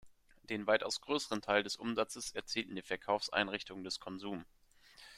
Den weitaus größeren Teil des Umsatzes erzielten die Verkaufseinrichtungen des Konsum.